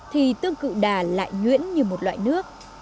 thì tương tự đà lại nhuyễn như một loại nước